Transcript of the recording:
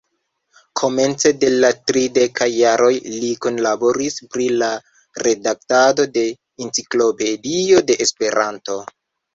Komence de la tridekaj jaroj li kunlaboris pri la redaktado de Enciklopedio de Esperanto.